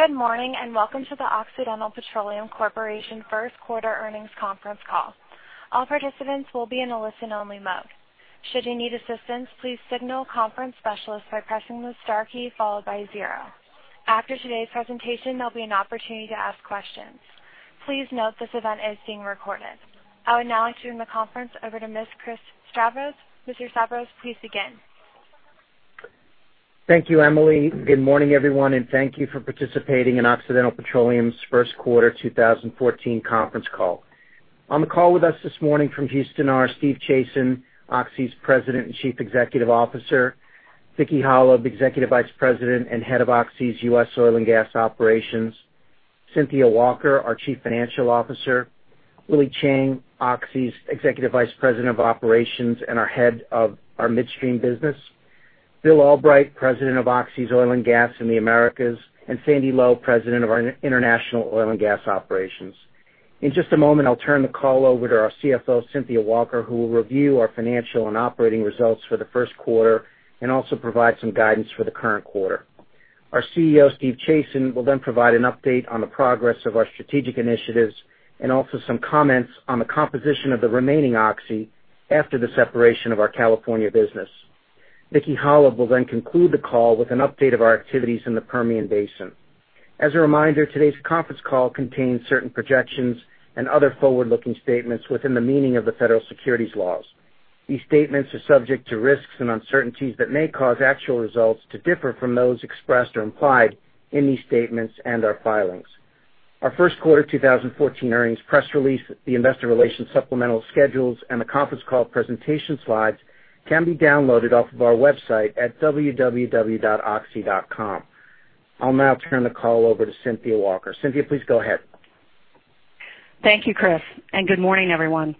Good morning, and welcome to the Occidental Petroleum Corporation first quarter earnings conference call. All participants will be in a listen-only mode. Should you need assistance, please signal conference specialist by pressing the star key followed by zero. After today's presentation, there'll be an opportunity to ask questions. Please note this event is being recorded. I would now like to turn the conference over to Ms. Chris Stavros. Mr. Stavros, please begin. Thank you, Emily. Good morning, everyone. Thank you for participating in Occidental Petroleum's first quarter 2014 conference call. On the call with us this morning from Houston are Stephen Chazen, Oxy's President and Chief Executive Officer, Vicki Hollub, Executive Vice President and head of Oxy's U.S. Oil and Gas Operations, Cynthia Walker, our Chief Financial Officer, Willie Chiang, Oxy's Executive Vice President of Operations and our head of our midstream business, Bill Albrecht, President of Oxy's Oil and Gas in the Americas, and Sandy Lowe, President of our International Oil and Gas Operations. In just a moment, I'll turn the call over to our CFO, Cynthia Walker, who will review our financial and operating results for the first quarter and also provide some guidance for the current quarter. Our CEO, Stephen Chazen, will provide an update on the progress of our strategic initiatives and also some comments on the composition of the remaining Oxy after the separation of our California business. Vicki Hollub will conclude the call with an update of our activities in the Permian Basin. As a reminder, today's conference call contains certain projections and other forward-looking statements within the meaning of the federal securities laws. These statements are subject to risks and uncertainties that may cause actual results to differ from those expressed or implied in these statements and our filings. Our first quarter 2014 earnings press release, the investor relations supplemental schedules, and the conference call presentation slides can be downloaded off of our website at www.oxy.com. I'll now turn the call over to Cynthia Walker. Cynthia, please go ahead. Thank you, Chris. Good morning, everyone.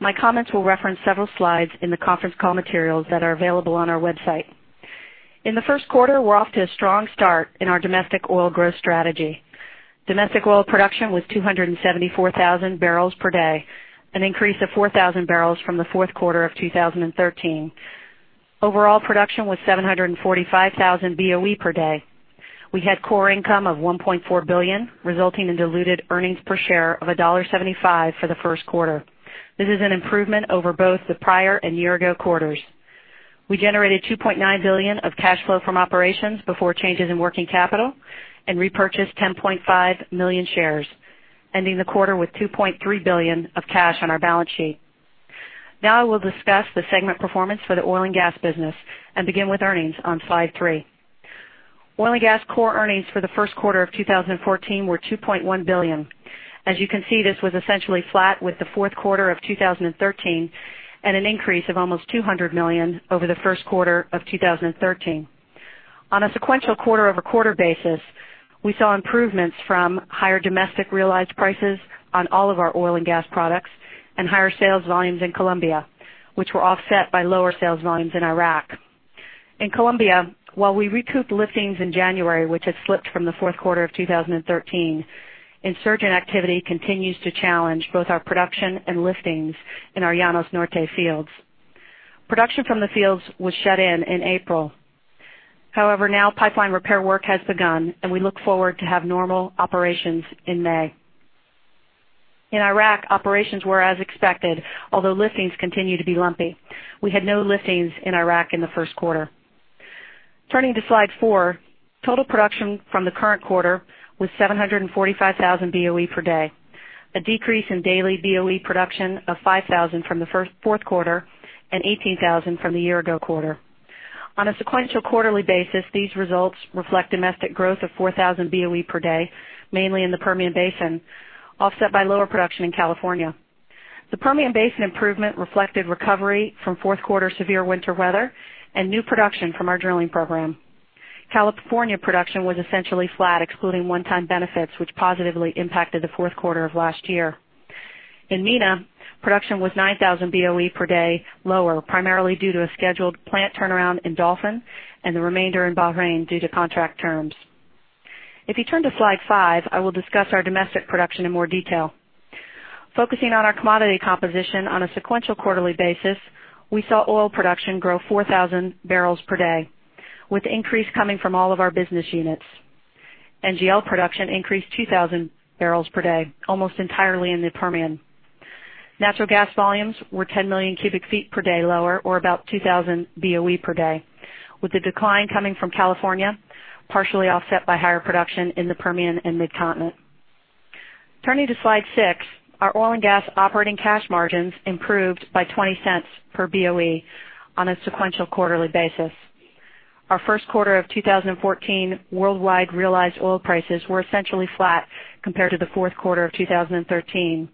My comments will reference several slides in the conference call materials that are available on our website. In the first quarter, we're off to a strong start in our domestic oil growth strategy. Domestic oil production was 274,000 barrels per day, an increase of 4,000 barrels from the fourth quarter of 2013. Overall production was 745,000 BOE per day. We had core income of $1.4 billion, resulting in diluted earnings per share of $1.75 for the first quarter. This is an improvement over both the prior and year-ago quarters. We generated $2.9 billion of cash flow from operations before changes in working capital and repurchased 10.5 million shares, ending the quarter with $2.3 billion of cash on our balance sheet. I will discuss the segment performance for the oil and gas business and begin with earnings on slide three. Oil and gas core earnings for the first quarter of 2014 were $2.1 billion. As you can see, this was essentially flat with the fourth quarter of 2013 and an increase of almost $200 million over the first quarter of 2013. On a sequential quarter-over-quarter basis, we saw improvements from higher domestic realized prices on all of our oil and gas products and higher sales volumes in Colombia, which were offset by lower sales volumes in Iraq. In Colombia, while we recouped liftings in January, which had slipped from the fourth quarter of 2013, insurgent activity continues to challenge both our production and liftings in our Llanos Norte fields. Production from the fields was shut in in April. Pipeline repair work has begun, and we look forward to have normal operations in May. In Iraq, operations were as expected, although liftings continue to be lumpy. We had no liftings in Iraq in the first quarter. Turning to slide four, total production from the current quarter was 745,000 BOE per day, a decrease in daily BOE production of 5,000 from the fourth quarter and 18,000 from the year-ago quarter. On a sequential quarterly basis, these results reflect domestic growth of 4,000 BOE per day, mainly in the Permian Basin, offset by lower production in California. The Permian Basin improvement reflected recovery from fourth quarter severe winter weather and new production from our drilling program. California production was essentially flat, excluding one-time benefits, which positively impacted the fourth quarter of last year. In MENA, production was 9,000 BOE per day lower, primarily due to a scheduled plant turnaround in Dolphin and the remainder in Bahrain due to contract terms. If you turn to slide five, I will discuss our domestic production in more detail. Focusing on our commodity composition on a sequential quarterly basis, we saw oil production grow 4,000 barrels per day, with increase coming from all of our business units. NGL production increased 2,000 barrels per day, almost entirely in the Permian. Natural gas volumes were 10 million cubic feet per day lower, or about 2,000 BOE per day, with the decline coming from California, partially offset by higher production in the Permian and Mid-Continent. Turning to slide six, our oil and gas operating cash margins improved by $0.20 per BOE on a sequential quarterly basis. Our first quarter of 2014 worldwide realized oil prices were essentially flat compared to the fourth quarter of 2013,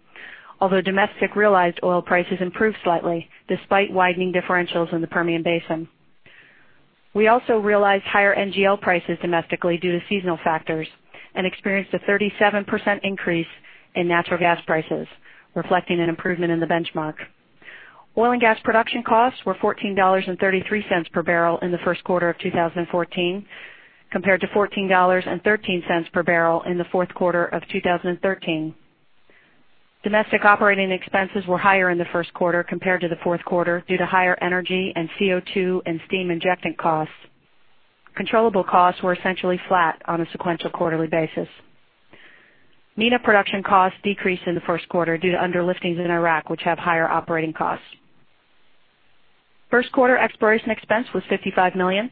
although domestic realized oil prices improved slightly despite widening differentials in the Permian Basin. We also realized higher NGL prices domestically due to seasonal factors and experienced a 37% increase in natural gas prices, reflecting an improvement in the benchmark. Oil and gas production costs were $14.33 per barrel in the first quarter of 2014, compared to $14.13 per barrel in the fourth quarter of 2013. Domestic operating expenses were higher in the first quarter compared to the fourth quarter due to higher energy and CO2 and steam injectant costs. Controllable costs were essentially flat on a sequential quarterly basis. MENA production costs decreased in the first quarter due to underliftings in Iraq, which have higher operating costs. First quarter exploration expense was $55 million.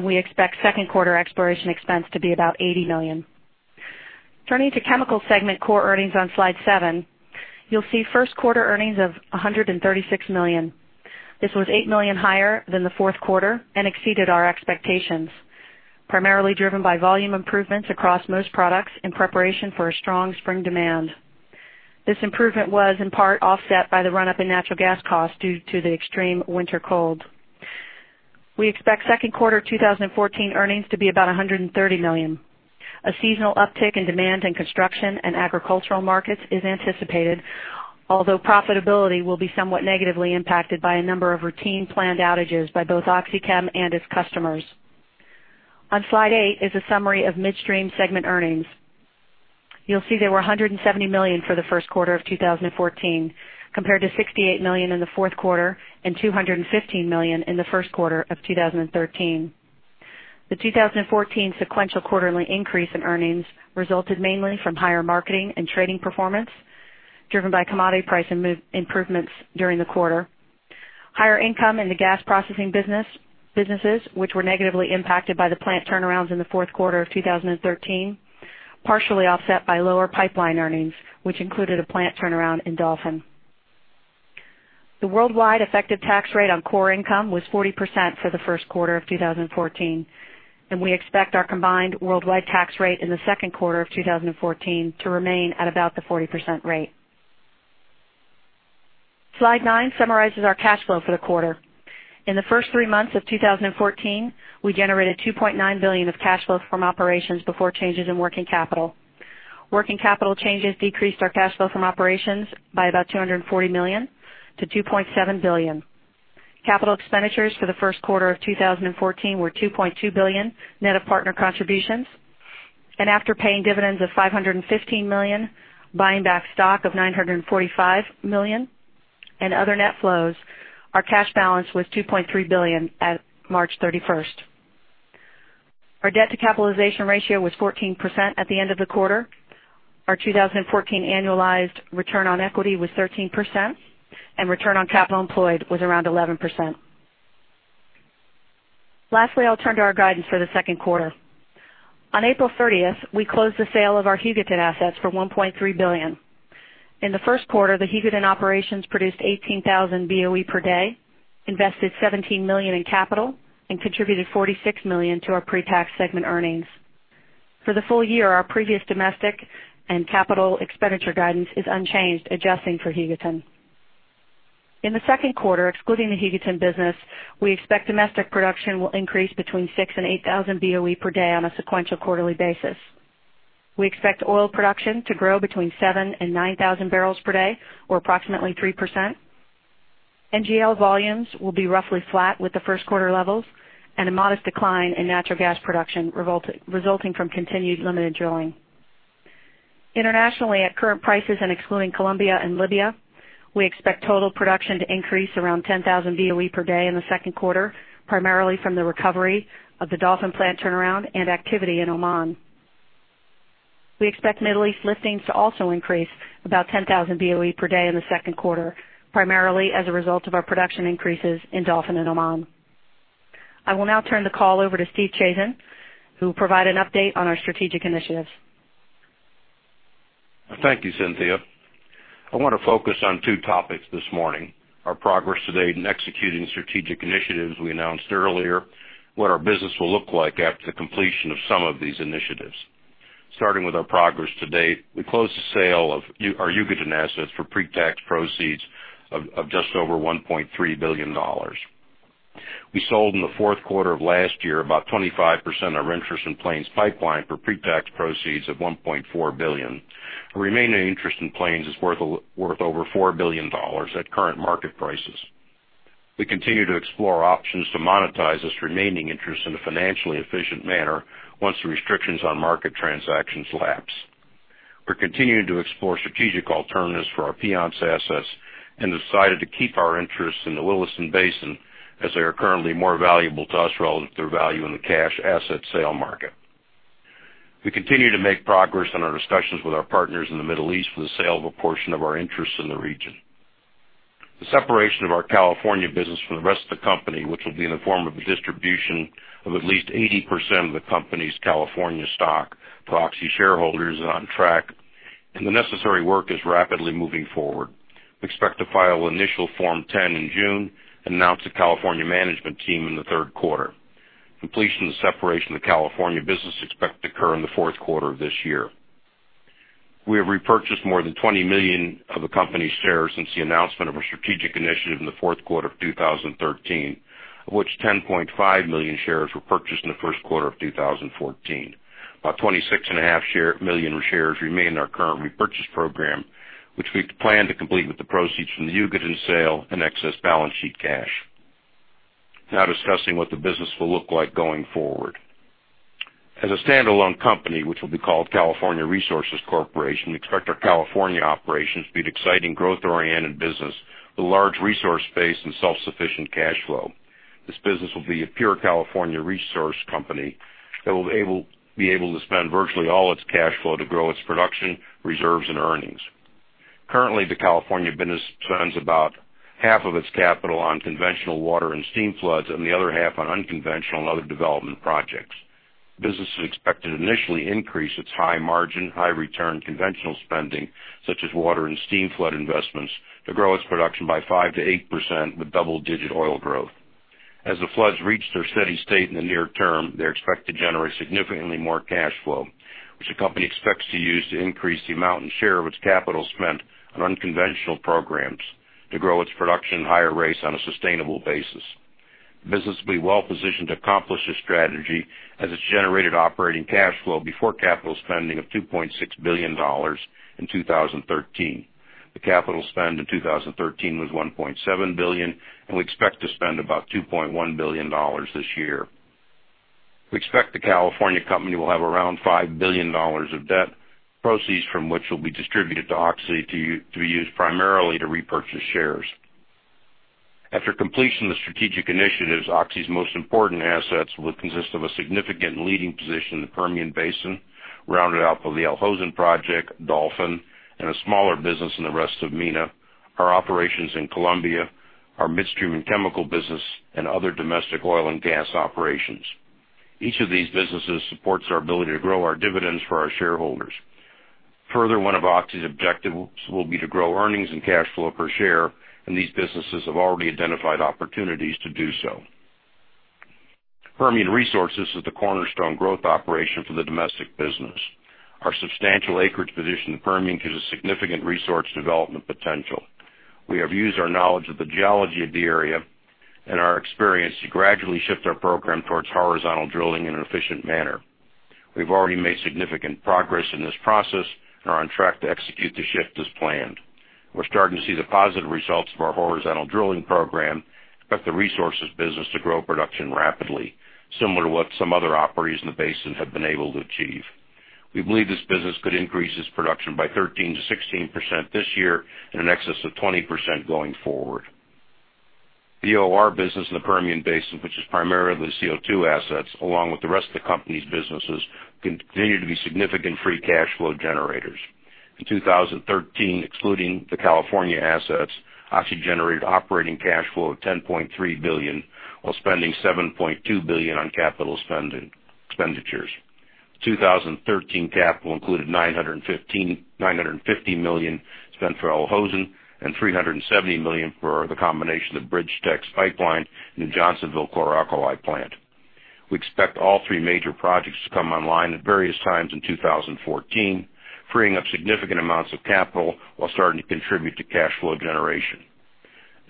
We expect second quarter exploration expense to be about $80 million. Turning to Chemical segment core earnings on slide seven, you'll see first quarter earnings of $136 million. This was $8 million higher than the fourth quarter and exceeded our expectations, primarily driven by volume improvements across most products in preparation for a strong spring demand. This improvement was in part offset by the run-up in natural gas costs due to the extreme winter cold. We expect second quarter 2014 earnings to be about $130 million. A seasonal uptick in demand in construction and agricultural markets is anticipated, although profitability will be somewhat negatively impacted by a number of routine planned outages by both OxyChem and its customers. On slide eight is a summary of Midstream segment earnings. You'll see there were $170 million for the first quarter of 2014, compared to $68 million in the fourth quarter and $215 million in the first quarter of 2013. The 2014 sequential quarterly increase in earnings resulted mainly from higher marketing and trading performance driven by commodity price improvements during the quarter. Higher income in the gas processing businesses, which were negatively impacted by the plant turnarounds in the fourth quarter of 2013, partially offset by lower pipeline earnings, which included a plant turnaround in Dolphin. The worldwide effective tax rate on core income was 40% for the first quarter of 2014. We expect our combined worldwide tax rate in the second quarter of 2014 to remain at about the 40% rate. Slide nine summarizes our cash flow for the quarter. In the first three months of 2014, we generated $2.9 billion of cash flow from operations before changes in working capital. Working capital changes decreased our cash flow from operations by about $240 million to $2.7 billion. Capital expenditures for the first quarter of 2014 were $2.2 billion net of partner contributions. After paying dividends of $515 million, buying back stock of $945 million, and other net flows, our cash balance was $2.3 billion at March 31st. Our debt to capitalization ratio was 14% at the end of the quarter. Our 2014 annualized return on equity was 13%. Return on capital employed was around 11%. Lastly, I'll turn to our guidance for the second quarter. On April 30th, we closed the sale of our Hugoton assets for $1.3 billion. In the first quarter, the Hugoton operations produced 18,000 BOE per day, invested $17 million in capital, and contributed $46 million to our pre-tax segment earnings. For the full year, our previous domestic and capital expenditure guidance is unchanged, adjusting for Hugoton. In the second quarter, excluding the Hugoton business, we expect domestic production will increase between 6,000 and 8,000 BOE per day on a sequential quarterly basis. We expect oil production to grow between 7,000 and 9,000 barrels per day or approximately 3%. NGL volumes will be roughly flat with the first quarter levels. A modest decline in natural gas production resulting from continued limited drilling. Internationally, at current prices and excluding Colombia and Libya, we expect total production to increase around 10,000 BOE per day in the second quarter, primarily from the recovery of the Dolphin plant turnaround and activity in Oman. We expect Middle East liftings to also increase about 10,000 BOE per day in the second quarter, primarily as a result of our production increases in Dolphin and Oman. I will now turn the call over to Steve Chazen, who will provide an update on our strategic initiatives. Thank you, Cynthia. I want to focus on two topics this morning, our progress to date in executing strategic initiatives we announced earlier, what our business will look like after the completion of some of these initiatives. Starting with our progress to date, we closed the sale of our Hugoton assets for pre-tax proceeds of just over $1.3 billion. We sold in the fourth quarter of last year about 25% of our interest in Plains Pipeline for pre-tax proceeds of $1.4 billion. Our remaining interest in Plains is worth over $4 billion at current market prices. We continue to explore options to monetize this remaining interest in a financially efficient manner once the restrictions on market transactions lapse. We're continuing to explore strategic alternatives for our Piceance assets and decided to keep our interest in the Williston Basin as they are currently more valuable to us relative to value in the cash asset sale market. We continue to make progress on our discussions with our partners in the Middle East for the sale of a portion of our interests in the region. The separation of our California business from the rest of the company, which will be in the form of a distribution of at least 80% of the company's California stock to Oxy's shareholders, is on track, and the necessary work is rapidly moving forward. We expect to file initial Form 10 in June and announce the California management team in the third quarter. Completion of the separation of the California business is expected to occur in the fourth quarter of this year. We have repurchased more than 20 million of the company's shares since the announcement of our strategic initiative in the fourth quarter of 2013, of which 10.5 million shares were purchased in the first quarter of 2014. About 26.5 million shares remain in our current repurchase program, which we plan to complete with the proceeds from the Hugoton sale and excess balance sheet cash. Now discussing what the business will look like going forward. As a standalone company, which will be called California Resources Corporation, we expect our California operations to be an exciting growth-oriented business with a large resource base and self-sufficient cash flow. This business will be a pure California resource company that will be able to spend virtually all its cash flow to grow its production, reserves, and earnings. Currently, the California business spends about half of its capital on conventional water and steam floods, and the other half on unconventional and other development projects. Business is expected to initially increase its high margin, high return conventional spending, such as water and steam flood investments, to grow its production by 5% to 8% with double-digit oil growth. As the floods reach their steady state in the near term, they're expected to generate significantly more cash flow, which the company expects to use to increase the amount and share of its capital spent on unconventional programs to grow its production at higher rates on a sustainable basis. The business will be well positioned to accomplish this strategy as it's generated operating cash flow before capital spending of $2.6 billion in 2013. The capital spend in 2013 was $1.7 billion, and we expect to spend about $2.1 billion this year. We expect the California company will have around $5 billion of debt, proceeds from which will be distributed to Oxy to be used primarily to repurchase shares. After completion of the strategic initiatives, Oxy's most important assets will consist of a significant leading position in the Permian Basin, rounded out by the Al Hosn project, Dolphin, and a smaller business in the rest of MENA, our operations in Colombia, our midstream and chemical business, and other domestic oil and gas operations. Each of these businesses supports our ability to grow our dividends for our shareholders. Further, one of Oxy's objectives will be to grow earnings and cash flow per share, and these businesses have already identified opportunities to do so. Permian Resources is the cornerstone growth operation for the domestic business. Our substantial acreage position in Permian gives a significant resource development potential. We have used our knowledge of the geology of the area and our experience to gradually shift our program towards horizontal drilling in an efficient manner. We've already made significant progress in this process and are on track to execute the shift as planned. We're starting to see the positive results of our horizontal drilling program, expect the resources business to grow production rapidly, similar to what some other operators in the basin have been able to achieve. We believe this business could increase its production by 13% to 16% this year and in excess of 20% going forward. The OR business in the Permian Basin, which is primarily CO2 assets, along with the rest of the company's businesses, continue to be significant free cash flow generators. In 2013, excluding the California assets, Oxy generated operating cash flow of $10.3 billion while spending $7.2 billion on capital expenditures. 2013 capital included $950 million spent for Al Hosn and $370 million for the combination of BridgeTex Pipeline and the Johnsonville chlor-alkali plant. We expect all three major projects to come online at various times in 2014, freeing up significant amounts of capital while starting to contribute to cash flow generation.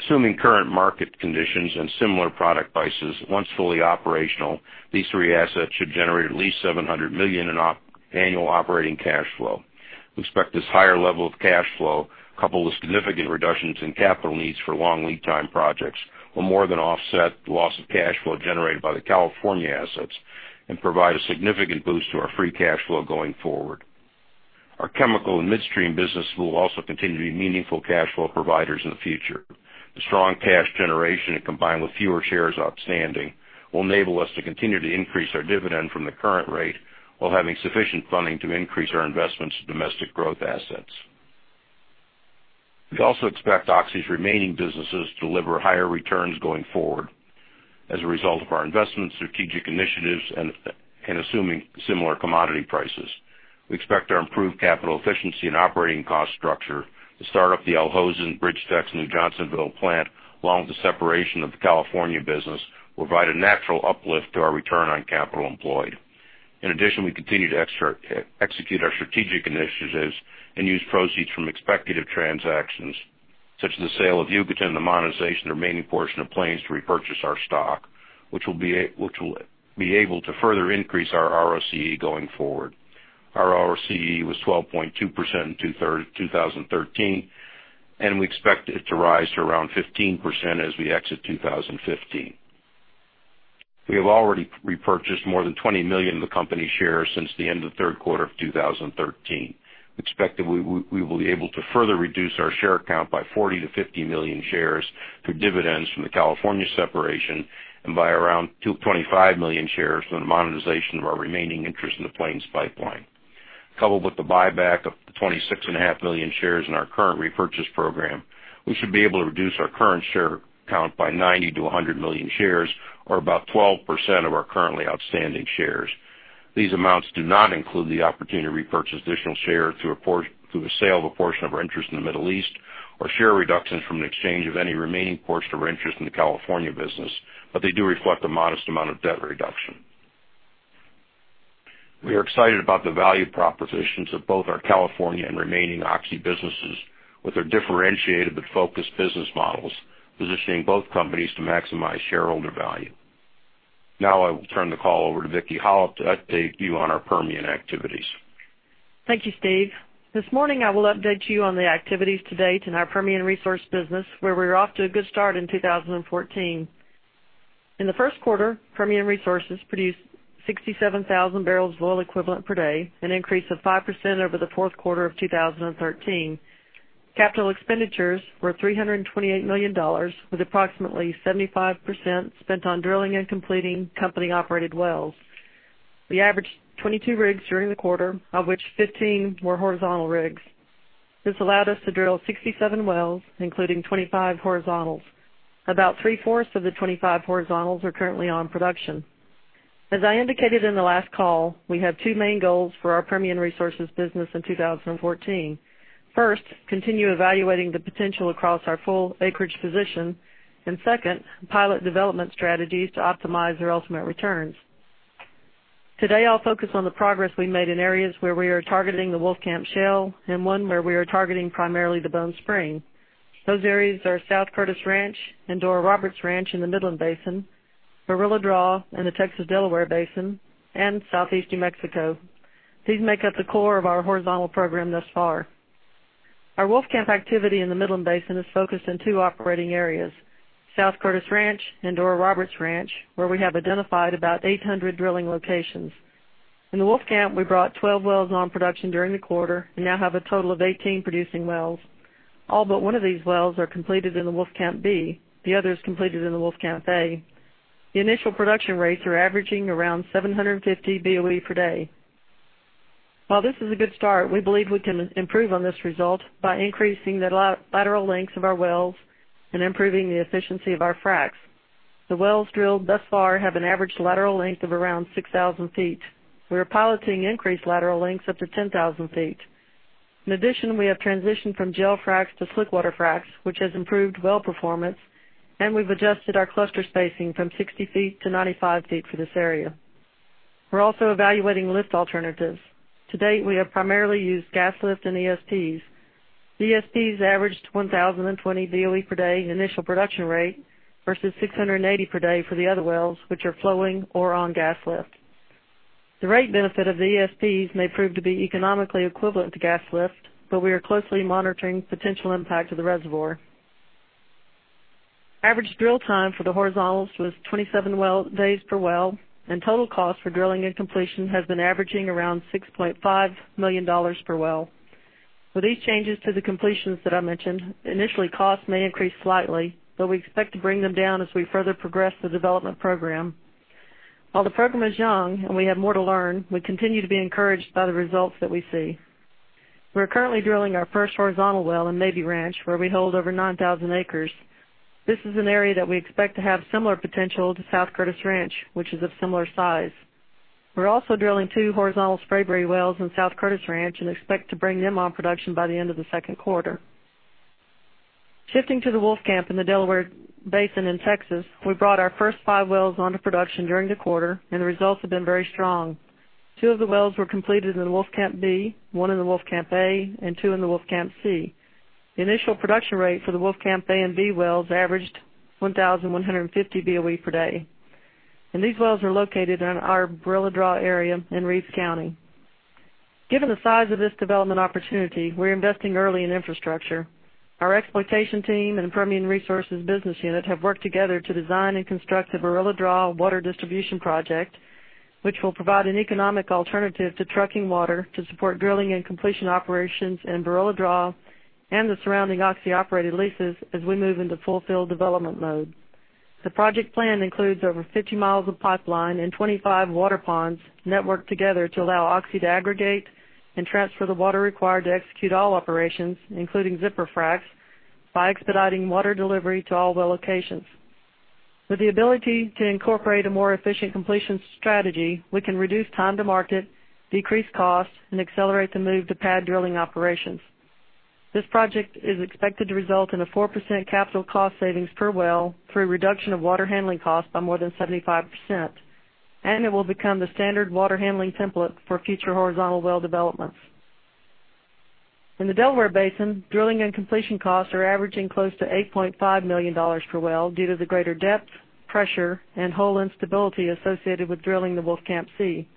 Assuming current market conditions and similar product prices, once fully operational, these three assets should generate at least $700 million in annual operating cash flow. We expect this higher level of cash flow, coupled with significant reductions in capital needs for long lead time projects, will more than offset the loss of cash flow generated by the California assets and provide a significant boost to our free cash flow going forward. Our chemical and midstream business will also continue to be meaningful cash flow providers in the future. The strong cash generation, combined with fewer shares outstanding, will enable us to continue to increase our dividend from the current rate while having sufficient funding to increase our investments in domestic growth assets. We also expect Oxy's remaining businesses to deliver higher returns going forward as a result of our investment strategic initiatives and assuming similar commodity prices. We expect our improved capital efficiency and operating cost structure, the start of the Al Hosn, BridgeTex, and new Johnsonville plant, along with the separation of the California business, will provide a natural uplift to our ROCE. In addition, we continue to execute our strategic initiatives and use proceeds from expected transactions, such as the sale of Hugoton and the monetization of the remaining portion of Plains to repurchase our stock, which will be able to further increase our ROCE going forward. Our ROCE was 12.2% in 2013, and we expect it to rise to around 15% as we exit 2015. We have already repurchased more than 20 million of the company's shares since the end of the third quarter of 2013. We expect that we will be able to further reduce our share count by 40 million-50 million shares through dividends from the California separation and by around 25 million shares from the monetization of our remaining interest in the Plains pipeline. Coupled with the buyback of 26.5 million shares in our current repurchase program, we should be able to reduce our current share count by 90 million-100 million shares, or about 12% of our currently outstanding shares. These amounts do not include the opportunity to repurchase additional shares through the sale of a portion of our interest in the Middle East or share reductions from the exchange of any remaining portion of our interest in the California business, but they do reflect a modest amount of debt reduction. We are excited about the value propositions of both our California and remaining Oxy businesses, with their differentiated but focused business models positioning both companies to maximize shareholder value. I will turn the call over to Vicki Hollub to update you on our Permian activities. Thank you, Steve. This morning, I will update you on the activities to date in our Permian Resource business, where we're off to a good start in 2014. In the first quarter, Permian Resources produced 67,000 barrels of oil equivalent per day, an increase of 5% over the fourth quarter of 2013. Capital expenditures were $328 million, with approximately 75% spent on drilling and completing company-operated wells. We averaged 22 rigs during the quarter, of which 15 were horizontal rigs. This allowed us to drill 67 wells, including 25 horizontals. About three-fourths of the 25 horizontals are currently on production. As I indicated in the last call, we have two main goals for our Permian Resources business in 2014. First, continue evaluating the potential across our full acreage position and second, pilot development strategies to optimize their ultimate returns. Today, I'll focus on the progress we made in areas where we are targeting the Wolfcamp Shale and one where we are targeting primarily the Bone Spring. Those areas are South Curtis Ranch and Dora Roberts Ranch in the Midland Basin, Barilla Draw in the Texas Delaware Basin, and Southeast New Mexico. These make up the core of our horizontal program thus far. Our Wolfcamp activity in the Midland Basin is focused in two operating areas, South Curtis Ranch and Dora Roberts Ranch, where we have identified about 800 drilling locations. In the Wolfcamp, we brought 12 wells on production during the quarter and now have a total of 18 producing wells. All but one of these wells are completed in the Wolfcamp B, the other is completed in the Wolfcamp A. The initial production rates are averaging around 750 BOE per day. While this is a good start, we believe we can improve on this result by increasing the lateral lengths of our wells and improving the efficiency of our fracs. The wells drilled thus far have an average lateral length of around 6,000 feet. We are piloting increased lateral lengths up to 10,000 feet. We have transitioned from gel fracs to slick water fracs, which has improved well performance, and we've adjusted our cluster spacing from 60 feet to 95 feet for this area. We're also evaluating lift alternatives. To date, we have primarily used gas lift and ESPs. ESPs averaged 1,020 BOE per day initial production rate versus 680 per day for the other wells, which are flowing or on gas lift. The rate benefit of the ESPs may prove to be economically equivalent to gas lift, but we are closely monitoring potential impact to the reservoir. Average drill time for the horizontals was 27 days per well, and total cost for drilling and completion has been averaging around $6.5 million per well. With these changes to the completions that I mentioned, initially costs may increase slightly, but we expect to bring them down as we further progress the development program. While the program is young and we have more to learn, we continue to be encouraged by the results that we see. We are currently drilling our first horizontal well in Navy Ranch, where we hold over 9,000 acres. This is an area that we expect to have similar potential to South Curtis Ranch, which is of similar size. We're also drilling two horizontal Spraberry wells in South Curtis Ranch and expect to bring them on production by the end of the second quarter. Shifting to the Wolfcamp in the Delaware Basin in Texas, we brought our first five wells onto production during the quarter, and the results have been very strong. Two of the wells were completed in Wolfcamp B, one in the Wolfcamp A, and two in the Wolfcamp C. The initial production rate for the Wolfcamp A and B wells averaged 1,150 BOE per day. These wells are located in our Barilla Draw area in Reeves County. Given the size of this development opportunity, we're investing early in infrastructure. Our exploitation team and Permian Resources business unit have worked together to design and construct the Barilla Draw water distribution project, which will provide an economic alternative to trucking water to support drilling and completion operations in Barilla Draw and the surrounding Oxy-operated leases as we move into full field development mode. The project plan includes over 50 miles of pipeline and 25 water ponds networked together to allow Oxy to aggregate and transfer the water required to execute all operations, including zipper fracs, by expediting water delivery to all well locations. With the ability to incorporate a more efficient completion strategy, we can reduce time to market, decrease costs, and accelerate the move to pad drilling operations. This project is expected to result in a 4% capital cost savings per well through reduction of water handling costs by more than 75%, and it will become the standard water handling template for future horizontal well developments. In the Delaware Basin, drilling and completion costs are averaging close to $8.5 million per well due to the greater depth, pressure, and hole instability associated with drilling the Wolfcamp C.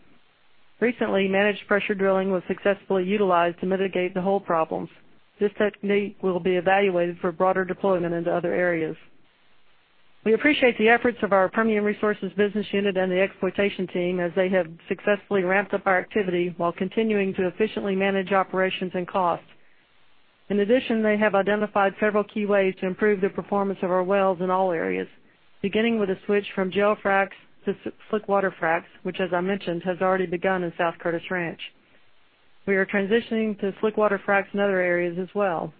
Recently, managed pressure drilling was successfully utilized to mitigate the hole problems. This technique will be evaluated for broader deployment into other areas. We appreciate the efforts of our Permian Resources business unit and the exploitation team, as they have successfully ramped up our activity while continuing to efficiently manage operations and costs. In addition, they have identified several key ways to improve the performance of our wells in all areas, beginning with a switch from gel fracs to slick water fracs, which as I mentioned, has already begun in South Curtis Ranch. We are transitioning to slick water fracs in other areas as well.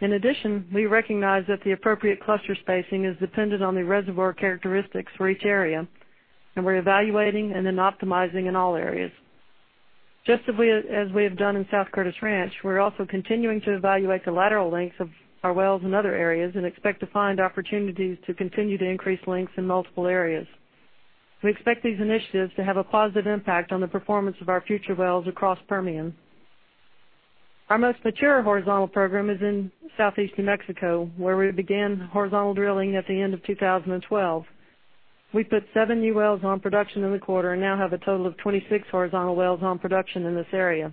In addition, we recognize that the appropriate cluster spacing is dependent on the reservoir characteristics for each area, and we're evaluating and then optimizing in all areas. Just as we have done in South Curtis Ranch, we're also continuing to evaluate the lateral lengths of our wells in other areas and expect to find opportunities to continue to increase lengths in multiple areas. We expect these initiatives to have a positive impact on the performance of our future wells across Permian. Our most mature horizontal program is in Southeast New Mexico, where we began horizontal drilling at the end of 2012. We put seven new wells on production in the quarter and now have a total of 26 horizontal wells on production in this area.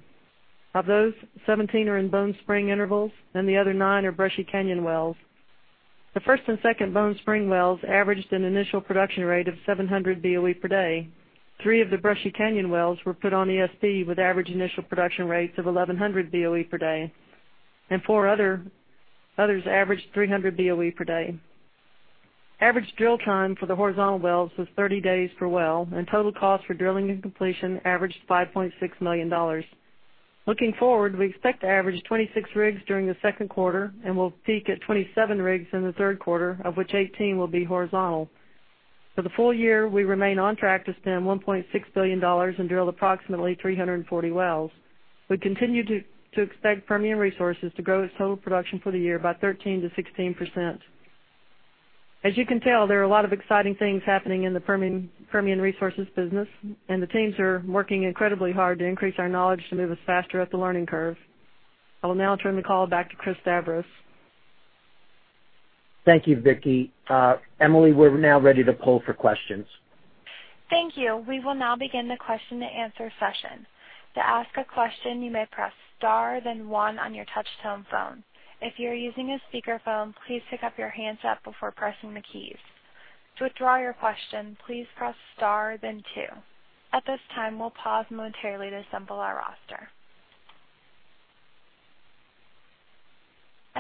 Of those, 17 are in Bone Spring intervals, and the other nine are Brushy Canyon wells. The first and second Bone Spring wells averaged an initial production rate of 700 BOE per day. Three of the Brushy Canyon wells were put on ESP with average initial production rates of 1,100 BOE per day, and four others averaged 300 BOE per day. Average drill time for the horizontal wells was 30 days per well, and total cost for drilling and completion averaged $5.6 million. Looking forward, we expect to average 26 rigs during the second quarter, and we'll peak at 27 rigs in the third quarter, of which 18 will be horizontal. For the full year, we remain on track to spend $1.6 billion and drill approximately 340 wells. We continue to expect Permian Resources to grow its total production for the year by 13%-16%. As you can tell, there are a lot of exciting things happening in the Permian Resources business, and the teams are working incredibly hard to increase our knowledge to move us faster up the learning curve. I will now turn the call back to Christopher Stavros. Thank you, Vicki. Emily, we're now ready to poll for questions. Thank you. We will now begin the question and answer session. To ask a question, you may press star then one on your touch-tone phone. If you're using a speakerphone, please pick up your handset before pressing the keys. To withdraw your question, please press star then two. At this time, we'll pause momentarily to assemble our roster.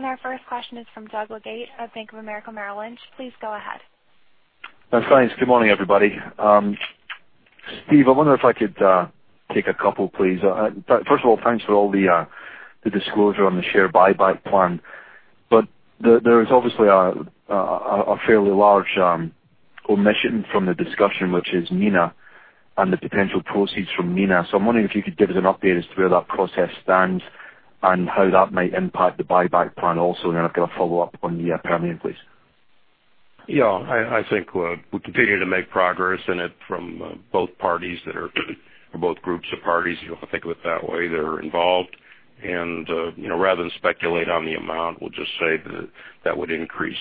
Our first question is from Doug Leggate of Bank of America Merrill Lynch. Please go ahead. Thanks. Good morning, everybody. Steve, I wonder if I could take a couple, please. First of all, thanks for all the disclosure on the share buyback plan. There is obviously a fairly large omission from the discussion, which is MENA and the potential proceeds from MENA. I'm wondering if you could give us an update as to where that process stands and how that might impact the buyback plan. I've got a follow-up on the Permian, please. Yeah, I think we're continuing to make progress in it from both parties that are, or both groups of parties, if you want to think of it that way, that are involved. Rather than speculate on the amount, we'll just say that would increase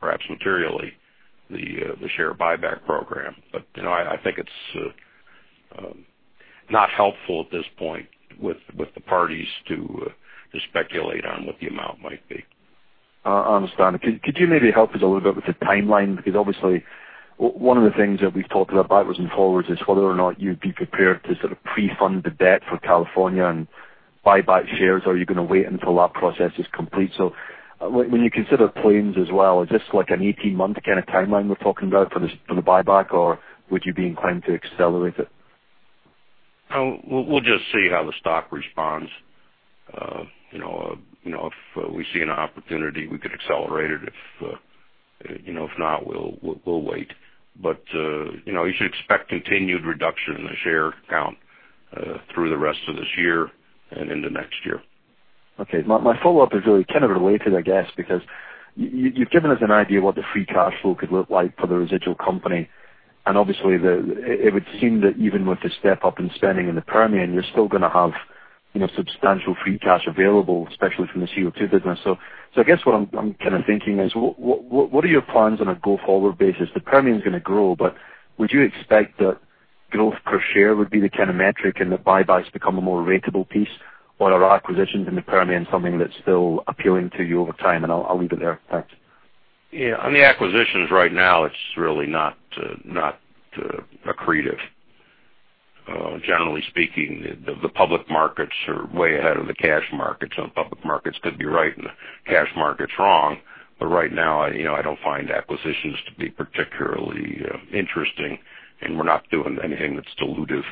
perhaps materially the share buyback program. I think it's not helpful at this point with the parties to speculate on what the amount might be. I understand. Could you maybe help us a little bit with the timeline? Because obviously one of the things that we've talked about backwards and forwards is whether or not you'd be prepared to pre-fund the debt for California and buy back shares, or are you going to wait until that process is complete? When you consider Plains as well, is this like an 18-month kind of timeline we're talking about for the buyback, or would you be inclined to accelerate it? We'll just see how the stock responds. If we see an opportunity, we could accelerate it. If not, we'll wait. You should expect continued reduction in the share count through the rest of this year and into next year. Okay. My follow-up is really kind of related, I guess, because you've given us an idea what the free cash flow could look like for the residual company. Obviously, it would seem that even with the step up in spending in the Permian, you're still going to have substantial free cash available, especially from the CO2 business. I guess what I'm thinking is, what are your plans on a go-forward basis? The Permian's going to grow, but would you expect that growth per share would be the kind of metric and the buybacks become a more ratable piece? Or are acquisitions in the Permian something that's still appealing to you over time? I'll leave it there. Thanks. On the acquisitions right now, it's really not accretive. Generally speaking, the public markets are way ahead of the cash markets, and public markets could be right and the cash markets wrong. Right now, I don't find acquisitions to be particularly interesting, and we're not doing anything that's dilutive.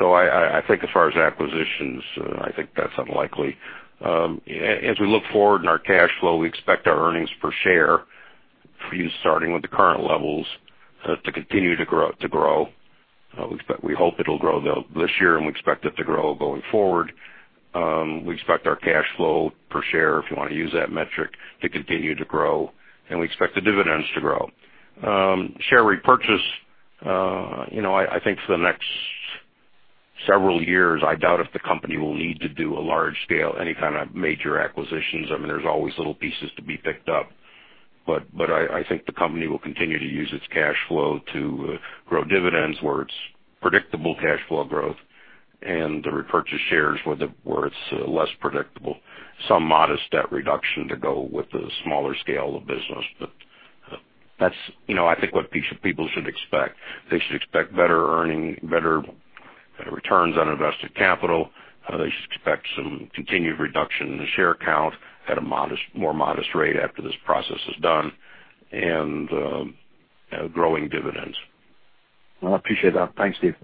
I think as far as acquisitions, I think that's unlikely. As we look forward in our cash flow, we expect our earnings per share for you, starting with the current levels, to continue to grow. We hope it'll grow this year, and we expect it to grow going forward. We expect our cash flow per share, if you want to use that metric, to continue to grow, and we expect the dividends to grow. Share repurchase, I think for the next several years, I doubt if the company will need to do a large scale, any kind of major acquisitions. I mean, there's always little pieces to be picked up. I think the company will continue to use its cash flow to grow dividends where it's predictable cash flow growth and repurchase shares where it's less predictable. Some modest debt reduction to go with the smaller scale of business. That's I think what people should expect. They should expect better earning, better returns on invested capital. They should expect some continued reduction in the share count at a more modest rate after this process is done and growing dividends. Well, I appreciate that. Thanks, Steve.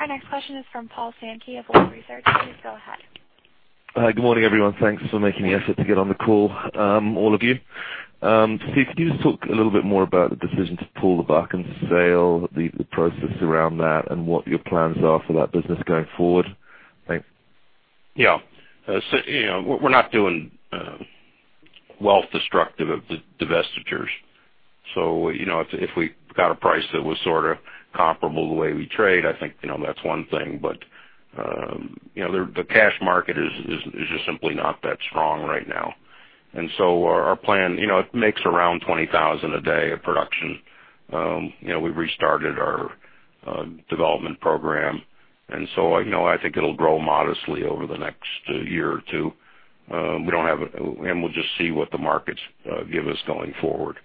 Our next question is from Paul Sankey of Wolfe Research. Please go ahead. Good morning, everyone. Thanks for making the effort to get on the call all of you. Steve, can you just talk a little bit more about the decision to pull the Bakken sale, the process around that, and what your plans are for that business going forward? Thanks. Yeah. We're not doing Wealth destructive of the divestitures. If we got a price that was sort of comparable the way we trade, I think, that's one thing. The cash market is just simply not that strong right now. Our plan, it makes around 20,000 a day of production. We've restarted our development program, I think it'll grow modestly over the next year or two. We'll just see what the markets give us going forward.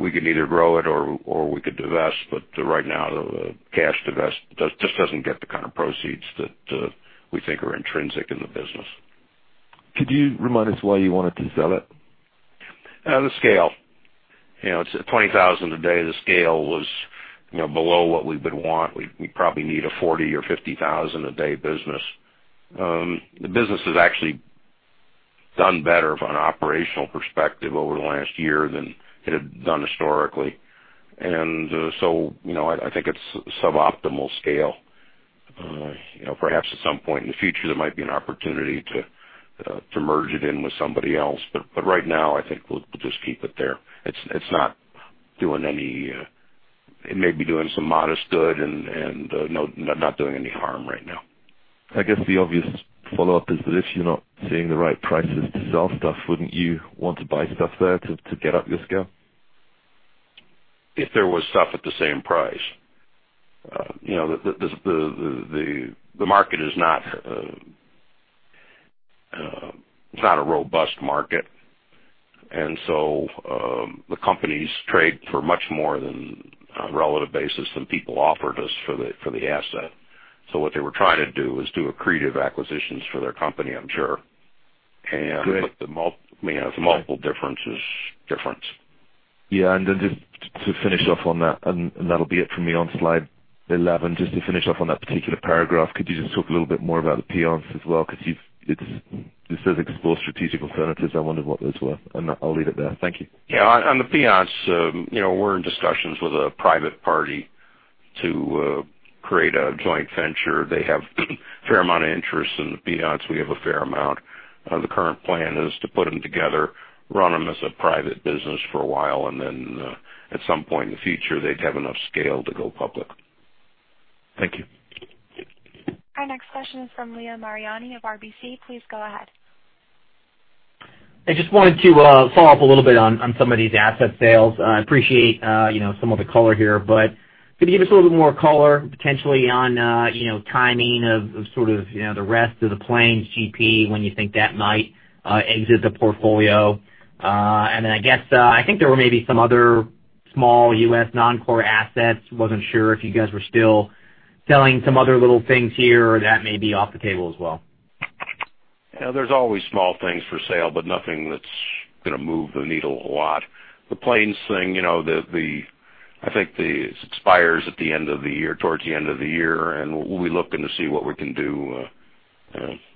We could either grow it or we could divest, right now, the cash divest just doesn't get the kind of proceeds that we think are intrinsic in the business. Could you remind us why you wanted to sell it? The scale. It's at 20,000 a day. The scale was below what we would want. We probably need a 40,000 or 50,000 a day business. The business has actually done better from an operational perspective over the last year than it had done historically. I think it's suboptimal scale. Perhaps at some point in the future, there might be an opportunity to merge it in with somebody else, right now I think we'll just keep it there. It may be doing some modest good and not doing any harm right now. I guess the obvious follow-up is that if you're not seeing the right prices to sell stuff, wouldn't you want to buy stuff there to get up your scale? If there was stuff at the same price. The market is not a robust market. The companies trade for much more than a relative basis than people offered us for the asset. What they were trying to do is do accretive acquisitions for their company, I'm sure. Good. The multiple difference is different. Yeah. Just to finish off on that, and that'll be it from me on slide 11. Just to finish off on that particular paragraph, could you just talk a little bit more about the Piceance as well? This says explore strategic alternatives. I wondered what those were, and I'll leave it there. Thank you. Yeah. On the Piceance, we're in discussions with a private party to create a joint venture. They have a fair amount of interest in the Piceance. We have a fair amount. The current plan is to put them together, run them as a private business for a while, and then, at some point in the future, they'd have enough scale to go public. Thank you. Our next question is from Leo Mariani of RBC. Please go ahead. I just wanted to follow up a little bit on some of these asset sales. I appreciate some of the color here, but could you give us a little bit more color potentially on timing of the rest of the Plains GP, when you think that might exit the portfolio? I guess, I think there were maybe some other small U.S. non-core assets. Wasn't sure if you guys were still selling some other little things here, or that may be off the table as well. There's always small things for sale, nothing that's going to move the needle a lot. The Plains thing, I think it expires at the end of the year, towards the end of the year, we'll be looking to see what we can do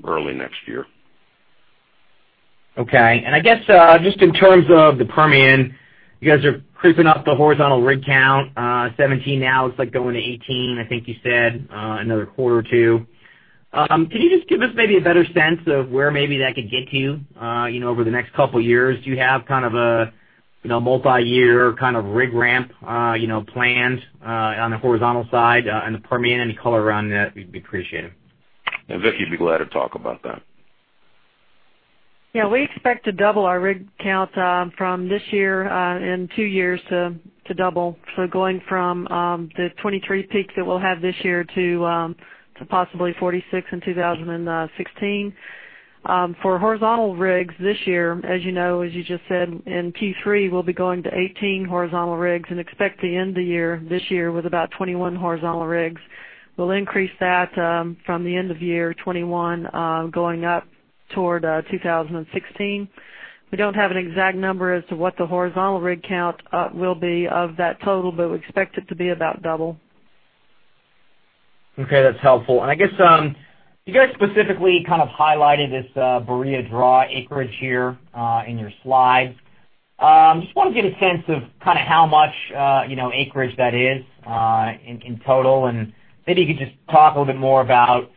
early next year. Okay. I guess just in terms of the Permian, you guys are creeping up the horizontal rig count, 17 now it's going to 18, I think you said, another quarter or two. Can you just give us maybe a better sense of where that could get you over the next couple of years? Do you have a multi-year rig ramp planned on the horizontal side in the Permian? Any color around that, we'd appreciate it. Vicki would be glad to talk about that. Yeah, we expect to double our rig count from this year in two years to double. Going from the 23 peaks that we'll have this year to possibly 46 in 2016. For horizontal rigs this year, as you know, as you just said, in Q3, we'll be going to 18 horizontal rigs expect to end the year, this year, with about 21 horizontal rigs. We'll increase that from the end of year 21, going up toward 2016. We don't have an exact number as to what the horizontal rig count will be of that total, we expect it to be about double. Okay. That's helpful. I guess, you guys specifically highlighted this Barilla Draw acreage here in your slides. Just want to get a sense of how much acreage that is in total. Maybe you could just talk a little bit more about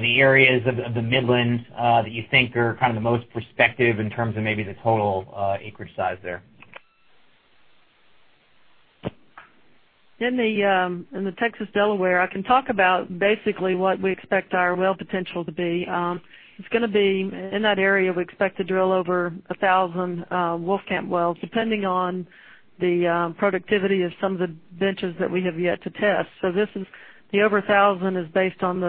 the areas of the Midlands that you think are the most prospective in terms of maybe the total acreage size there. In the Texas Delaware, I can talk about basically what we expect our well potential to be. In that area, we expect to drill over 1,000 Wolfcamp wells, depending on the productivity of some of the benches that we have yet to test. The over 1,000 is based on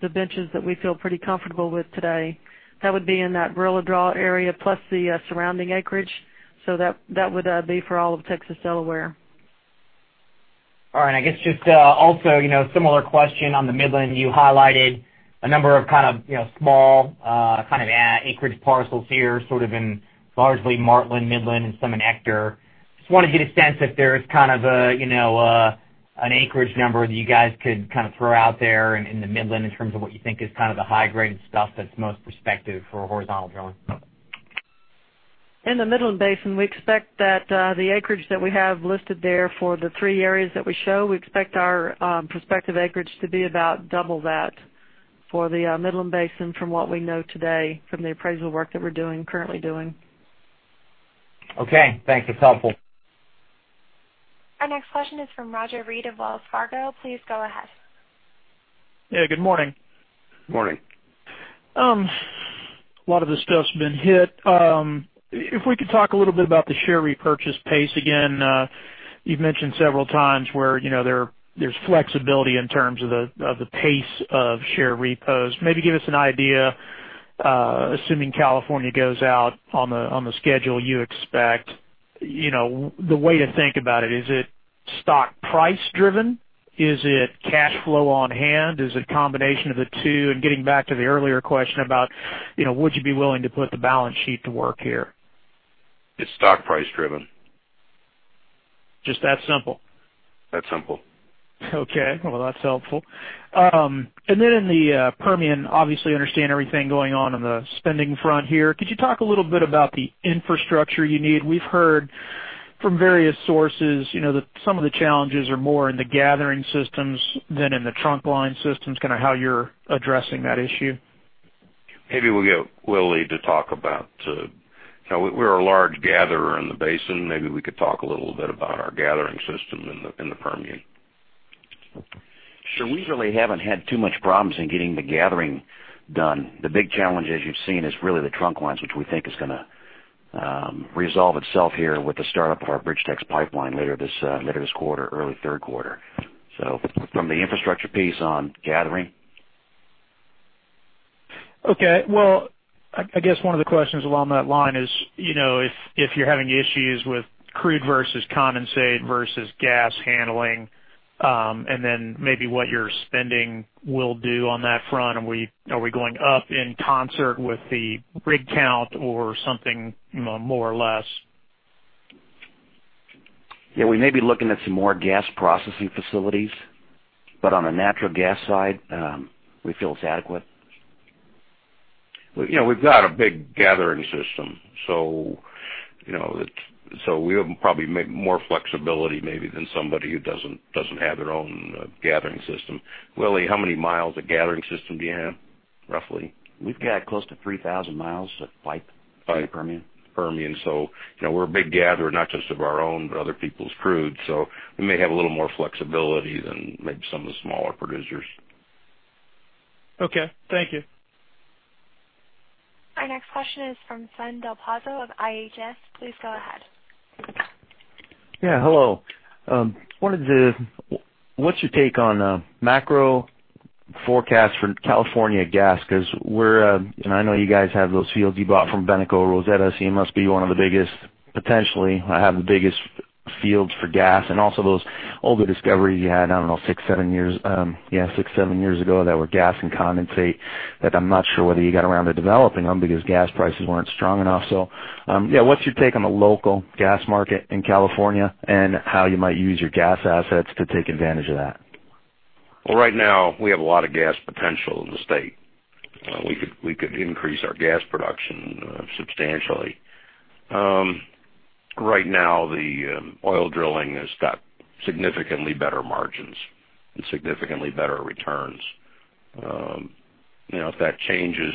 the benches that we feel pretty comfortable with today. That would be in that Barilla Draw area plus the surrounding acreage. That would be for all of Texas Delaware. All right. I guess just also, similar question on the Midland. You highlighted a number of small acreage parcels here in largely Martin, Midland, and some in Ector. Just want to get a sense if there's an acreage number that you guys could throw out there in the Midland in terms of what you think is the high grade stuff that's most prospective for horizontal drilling. In the Midland Basin, we expect that the acreage that we have listed there for the three areas that we show, we expect our prospective acreage to be about double that for the Midland Basin from what we know today, from the appraisal work that we're currently doing. Okay, thanks. That's helpful. Our next question is from Roger Read of Wells Fargo. Please go ahead. Yeah, good morning. Morning. A lot of the stuff's been hit. If we could talk a little bit about the share repurchase pace again. You've mentioned several times where there's flexibility in terms of the pace of share repos. Maybe give us an idea, assuming California goes out on the schedule you expect. The way to think about it, is it stock price driven? Is it cash flow on hand? Is it a combination of the two? Getting back to the earlier question about, would you be willing to put the balance sheet to work here? It's stock price driven. Just that simple? That simple. Okay. Well, that's helpful. In the Permian, obviously understand everything going on in the spending front here. Could you talk a little bit about the infrastructure you need? We've heard from various sources, that some of the challenges are more in the gathering systems than in the trunk line systems, how you're addressing that issue. Maybe we'll get Willie to talk about. We're a large gatherer in the basin. Maybe we could talk a little bit about our gathering system in the Permian. Sure. We really haven't had too much problems in getting the gathering done. The big challenge, as you've seen, is really the trunk lines, which we think is going to resolve itself here with the startup of our BridgeTex Pipeline later this quarter, early third quarter. From the infrastructure piece on gathering. Okay. Well, I guess one of the questions along that line is, if you're having issues with crude versus condensate versus gas handling, and then maybe what your spending will do on that front, are we going up in concert with the rig count or something more or less? Yeah, we may be looking at some more gas processing facilities, but on the natural gas side, we feel it's adequate. We've got a big gathering system. We have probably more flexibility maybe than somebody who doesn't have their own gathering system. Willie, how many miles of gathering system do you have, roughly? We've got close to 3,000 miles of pipe. Pipe in the Permian. Permian. We're a big gatherer, not just of our own, but other people's crude. We may have a little more flexibility than maybe some of the smaller producers. Okay. Thank you. Our next question is from Sun Del Pazzo of IHS. Please go ahead. Hello. What's your take on macro forecast for California gas? Because I know you guys have those fields you bought from Venoco, Rosetta, you must be one of the biggest, potentially have the biggest fields for gas. Also those older discoveries you had, I don't know, six, seven years ago that were gas and condensate that I'm not sure whether you got around to developing them because gas prices weren't strong enough. What's your take on the local gas market in California and how you might use your gas assets to take advantage of that? Right now, we have a lot of gas potential in the state. We could increase our gas production substantially. Right now, the oil drilling has got significantly better margins and significantly better returns. If that changes,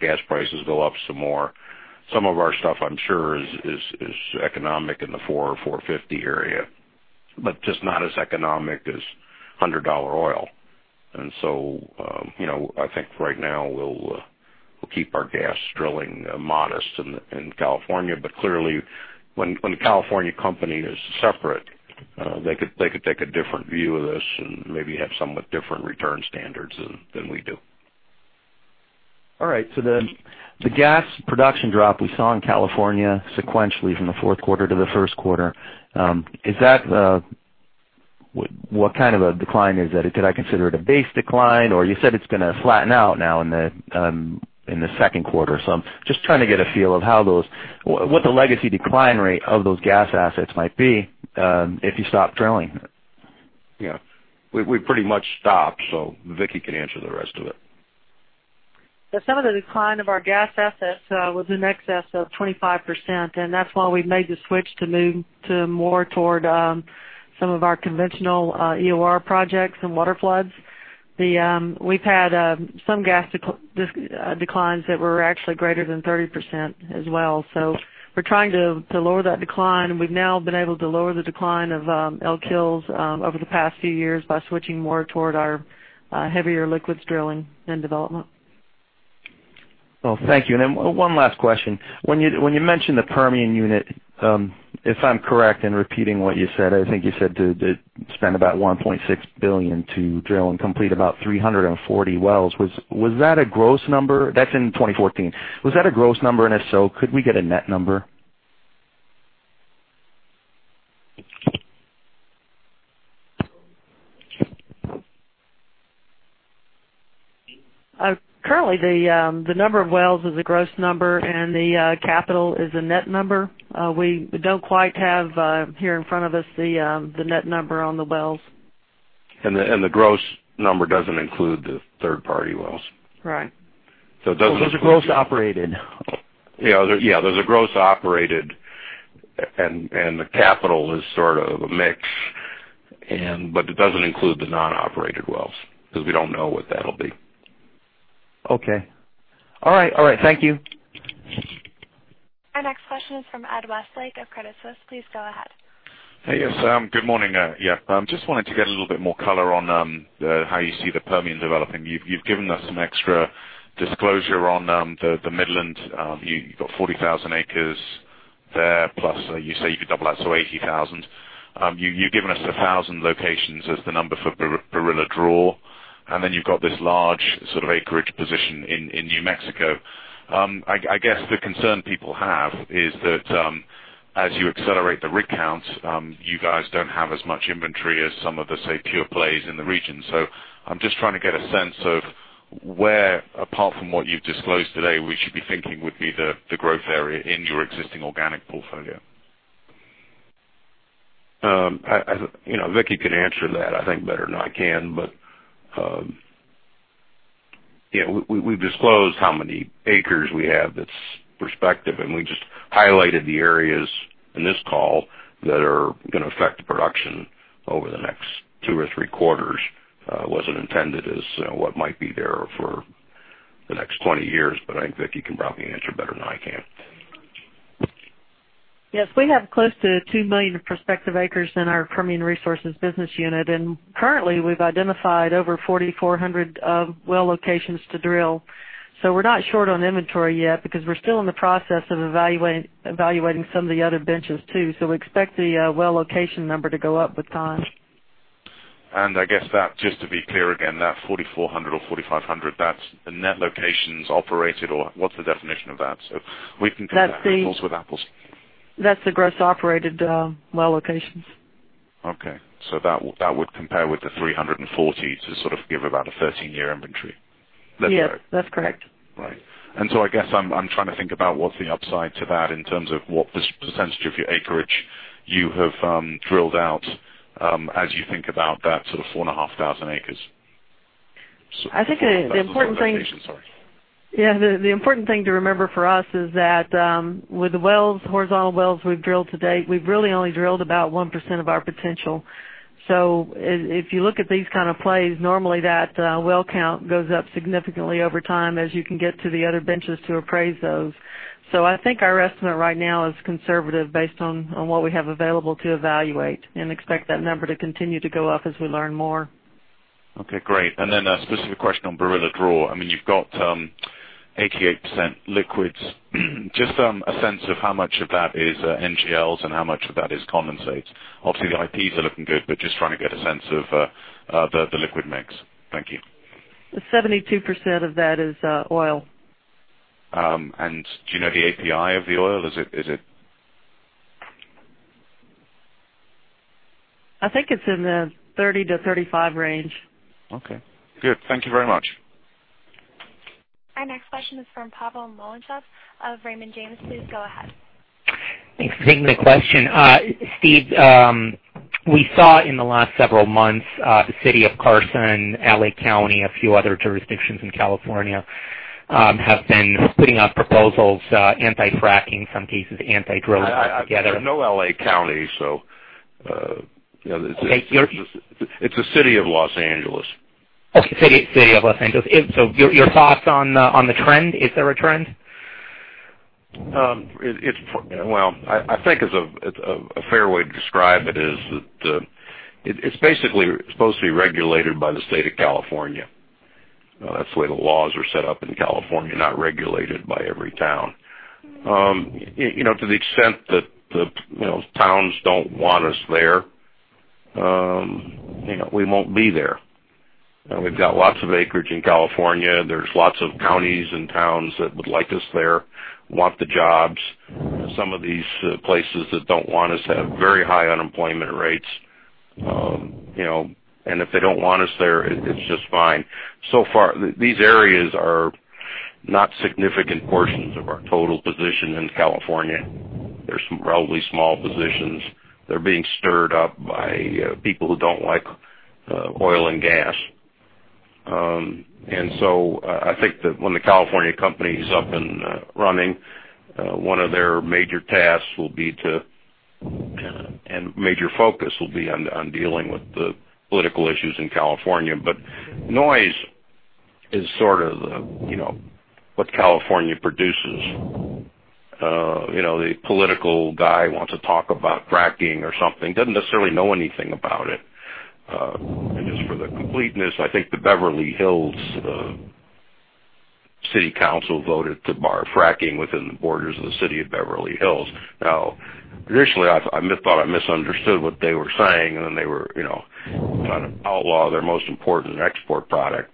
gas prices go up some more, some of our stuff, I'm sure, is economic in the $4 or $4.50 area, but just not as economic as $100 oil. I think right now we'll keep our gas drilling modest in California. Clearly, when the California company is separate, they could take a different view of this and maybe have somewhat different return standards than we do. All right. The gas production drop we saw in California sequentially from the fourth quarter to the first quarter, what kind of a decline is that? Could I consider it a base decline, or you said it's going to flatten out now in the second quarter. I'm just trying to get a feel of what the legacy decline rate of those gas assets might be, if you stop drilling. Yeah. We pretty much stopped. Vicki can answer the rest of it. Some of the decline of our gas assets was in excess of 25%, and that's why we made the switch to move to more toward some of our conventional EOR projects and water floods. We've had some gas declines that were actually greater than 30% as well. We're trying to lower that decline, and we've now been able to lower the decline of Elk Hills over the past few years by switching more toward our heavier liquids drilling and development. Well, thank you. One last question. When you mentioned the Permian unit, if I'm correct in repeating what you said, I think you said to spend about $1.6 billion to drill and complete about 340 wells. Was that a gross number? That's in 2014. Was that a gross number? If so, could we get a net number? Currently, the number of wells is a gross number, and the capital is a net number. We don't quite have here in front of us the net number on the wells. The gross number doesn't include the third party wells. Right. It doesn't. Those are gross operated. Yeah. There's a gross operated, and the capital is sort of a mix, but it doesn't include the non-operated wells because we don't know what that'll be. Okay. All right. Thank you. Our next question is from Ed Westlake of Credit Suisse. Please go ahead. Hey. Yes. Good morning. Yeah. Just wanted to get a little bit more color on how you see the Permian developing. You've given us some extra disclosure on the Midland. You've got 40,000 acres there, plus you say you could double that to 80,000. You've given us 1,000 locations as the number for Barilla Draw, and then you've got this large sort of acreage position in New Mexico. I guess the concern people have is that, as you accelerate the rig count, you guys don't have as much inventory as some of the, say, pure plays in the region. I'm just trying to get a sense of where apart from what you've disclosed today, we should be thinking would be the growth area in your existing organic portfolio. Vicki can answer that, I think, better than I can. We've disclosed how many acres we have that's prospective, and we just highlighted the areas in this call that are going to affect the production over the next two or three quarters. It wasn't intended as what might be there for the next 20 years, I think Vicki can probably answer better than I can. Yes. We have close to two million prospective acres in our Permian Resources business unit, currently we've identified over 4,400 well locations to drill. We're not short on inventory yet because we're still in the process of evaluating some of the other benches too. We expect the well location number to go up with time. I guess that, just to be clear again, that 4,400 or 4,500, that's the net locations operated, or what's the definition of that so we can compare apples with apples? That's the gross operated well locations. Okay. That would compare with the 340 to sort of give about a 13 year inventory? Yes, that's correct. Right. I guess I'm trying to think about what's the upside to that in terms of what % of your acreage you have drilled out as you think about that sort of 4,500 acres. I think the important thing. Sorry. Yeah. The important thing to remember for us is that, with the horizontal wells we've drilled to date, we've really only drilled about 1% of our potential. If you look at these kind of plays, normally that well count goes up significantly over time as you can get to the other benches to appraise those. I think our estimate right now is conservative based on what we have available to evaluate and expect that number to continue to go up as we learn more. Okay, great. A specific question on Barilla Draw. You've got 88% liquids. Just a sense of how much of that is NGLs and how much of that is condensates. Obviously, the IPs are looking good, but just trying to get a sense of the liquid mix. Thank you. 72% of that is oil. Do you know the API of the oil? Is it I think it's in the 30 to 35 range. Okay, good. Thank you very much. Our next question is from Pavel Molchanov of Raymond James. Please go ahead. Thanks for taking the question. Steve, we saw in the last several months, the city of Carson, L.A. County, a few other jurisdictions in California, have been putting out proposals, anti-fracking, some cases anti-drilling together. No L.A. County. Okay. It's the city of Los Angeles. Okay. City of Los Angeles. Your thoughts on the trend, is there a trend? Well, I think a fair way to describe it is that it's basically supposed to be regulated by the state of California. That's the way the laws are set up in California, not regulated by every town. To the extent that towns don't want us there, we won't be there. We've got lots of acreage in California. There's lots of counties and towns that would like us there, want the jobs. Some of these places that don't want us have very high unemployment rates. If they don't want us there, it's just fine. So far, these areas are not significant portions of our total position in California. They're probably small positions. They're being stirred up by people who don't like oil and gas. I think that when the California company is up and running, one of their major tasks will be to, and major focus will be on dealing with the political issues in California. Noise is sort of what California produces. The political guy wants to talk about fracking or something, doesn't necessarily know anything about it. Just for the completeness, I think the Beverly Hills City Council voted to bar fracking within the borders of the city of Beverly Hills. Initially, I thought I misunderstood what they were saying, and then they were trying to outlaw their most important export product.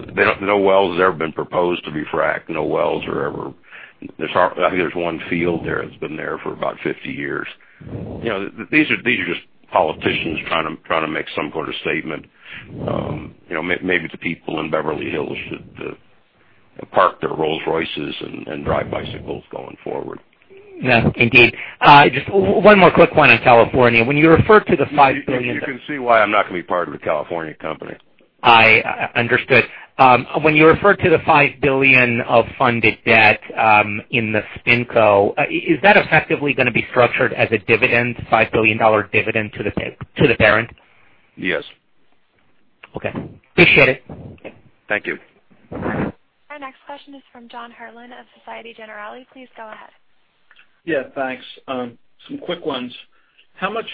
Actually, no well's ever been proposed to be fracked. I think there's one field there that's been there for about 50 years. These are just politicians trying to make some sort of statement. Maybe the people in Beverly Hills should park their Rolls-Royces and drive bicycles going forward. Yeah, indeed. Just one more quick one on California. When you refer to the $5 billion- You can see why I'm not going to be part of the California company. Understood. When you refer to the $5 billion of funded debt in the spinco, is that effectively going to be structured as a $5 billion dividend to the parent? Yes. Okay. Appreciate it. Thank you. Our next question is from John Herrlin of Societe Generale. Please go ahead. Yeah, thanks. Some quick ones. How much,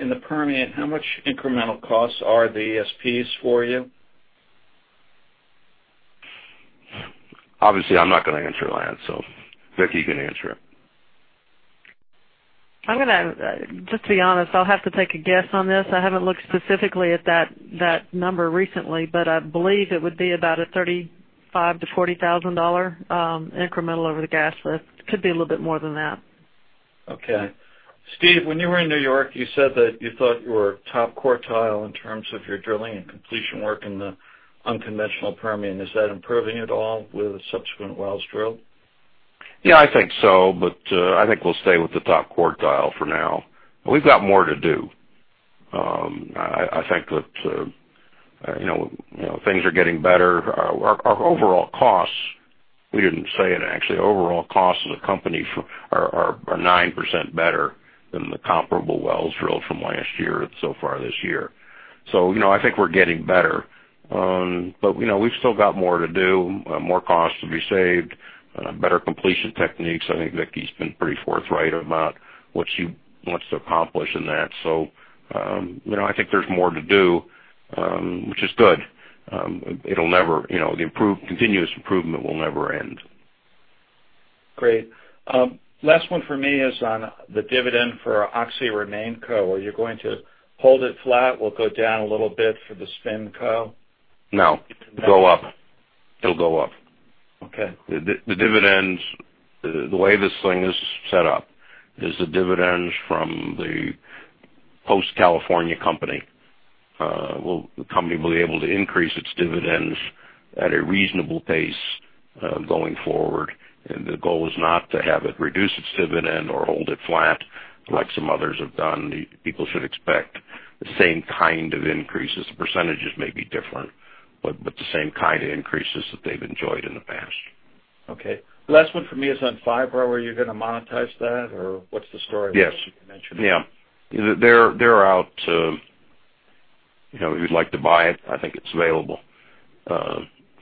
in the Permian, how much incremental costs are the ESPs for you? Obviously, I'm not going to answer that. Vicki can answer it. I'm going to just be honest. I'll have to take a guess on this. I haven't looked specifically at that number recently. I believe it would be about a $35,000-$40,000 incremental over the gas lift. Could be a little bit more than that. Okay. Steve, when you were in New York, you said that you thought you were top quartile in terms of your drilling and completion work in the unconventional Permian. Is that improving at all with the subsequent wells drilled? I think so, but I think we'll stay with the top quartile for now. We've got more to do. I think that things are getting better. Our overall costs, we didn't say it actually, overall costs as a company are 9% better than the comparable wells drilled from last year so far this year. I think we're getting better. We've still got more to do, more costs to be saved, better completion techniques. I think Vicki's been pretty forthright about what she wants to accomplish in that. I think there's more to do, which is good. The continuous improvement will never end. Great. Last one for me is on the dividend for Oxy RemainCo. Are you going to hold it flat? Will it go down a little bit for the spinco? No. Go up. It'll go up. Okay. The way this thing is set up is the dividends from the post-California company, the company will be able to increase its dividends at a reasonable pace going forward. The goal is not to have it reduce its dividend or hold it flat like some others have done. People should expect the same kind of increases. The percentages may be different, but the same kind of increases that they've enjoyed in the past. Okay. Last one for me is on Phibro. Are you going to monetize that or what's the story? Yes. You mentioned it. Yeah. They're out. If you'd like to buy it, I think it's available.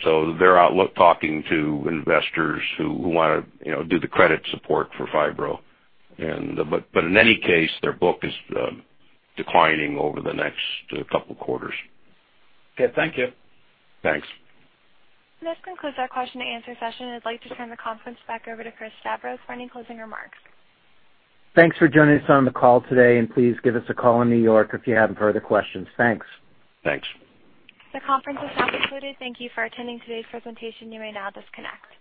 They're out talking to investors who want to do the credit support for Phibro. In any case, their book is declining over the next couple of quarters. Okay. Thank you. Thanks. This concludes our question and answer session. I'd like to turn the conference back over to Chris Stavros for any closing remarks. Thanks for joining us on the call today. Please give us a call in New York if you have further questions. Thanks. Thanks. The conference is now concluded. Thank you for attending today's presentation. You may now disconnect.